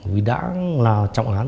vì đã là trọng án